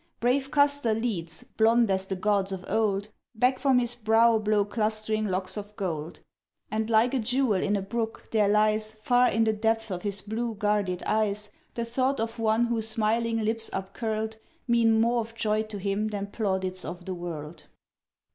Brave Custer leads, blonde as the gods of old; Back from his brow blow clustering locks of gold, And, like a jewel in a brook, there lies, Far in the depths of his blue guarded eyes, The thought of one whose smiling lips up curled, Mean more of joy to him than plaudits of the world.